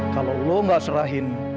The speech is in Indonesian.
kalau lo nggak serahin